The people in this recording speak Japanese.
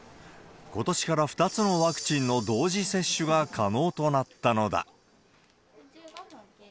ことしから２つのワクチンの同時接種が可能となったのだ。